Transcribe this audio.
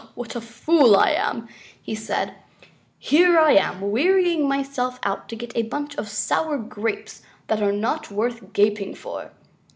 "What a fool I am," he said. "Here I am wearing myself out to get a bunch of sour grapes that are not worth gaping for."